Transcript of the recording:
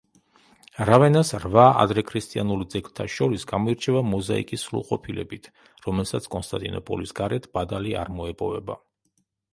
რავენას რვა ადრექრისტიანულ ძეგლთა შორის გამოირჩევა მოზაიკის სრულყოფილებით, რომელსაც კონსტანტინოპოლის გარეთ ბადალი არ მოეპოვება.